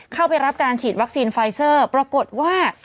เข้าไปรับการฉีดวัคซีนไฟเซอร์ปรากฏว่า